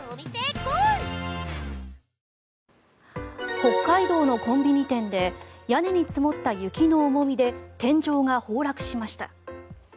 北海道のコンビニ店で屋根に積もった雪の重みで天井が崩落しました。